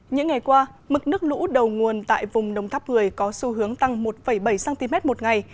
những ngày qua mức nước lũ đầu nguồn tại vùng đông tháp người có xu hướng tăng một bảy cm một ngày